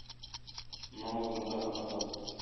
Намазны да оныта.